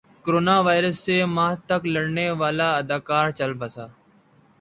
corona virus سے ماہ تک لڑنے والا اداکار چل بسا